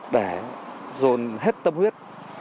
để dồn hết tâm huyết